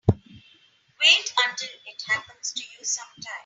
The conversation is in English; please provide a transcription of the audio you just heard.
Wait until it happens to you sometime.